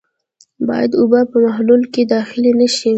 باید اوبه په محلول کې داخلې نه شي.